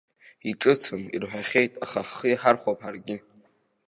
Иҿыцым, ирҳәахьеит, аха ҳхы иаҳархәап ҳаргьы.